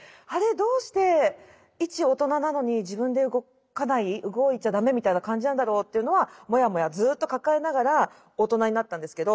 どうして一大人なのに自分で動かない動いちゃ駄目みたいな感じなんだろうというのはモヤモヤずっと抱えながら大人になったんですけど。